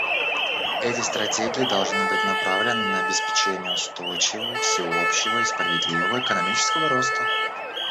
Эти стратегии должны быть направлены на обеспечение устойчивого, всеобщего и справедливого экономического роста.